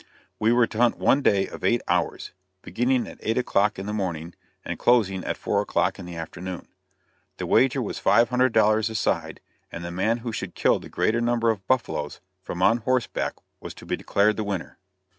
We were to hunt one day of eight hours, beginning at eight o'clock in the morning, and closing at four o'clock in the afternoon. The wager was five hundred dollars a side, and the man who should kill the greater number of buffaloes from on horseback was to be declared the winner.